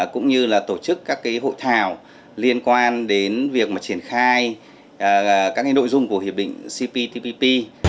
cũng như là tổ chức các cái hội thảo liên quan đến việc mà triển khai các cái nội dung của hiệp định cptpp